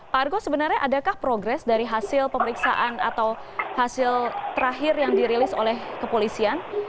pak argo sebenarnya adakah progres dari hasil pemeriksaan atau hasil terakhir yang dirilis oleh kepolisian